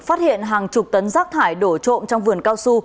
phát hiện hàng chục tấn rác thải đổ trộm trong vườn cao su